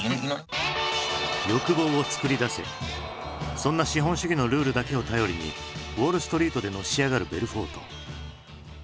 そんな資本主義のルールだけを頼りにウォールストリートでのし上がるベルフォート。